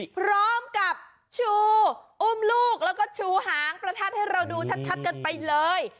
พร้อมกับชูอุ้มลูกแล้วก็ชูหางประทัดให้เราดูชัดกันไปเลย